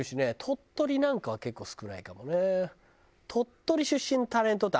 鳥取なんかは結構少ないかもね。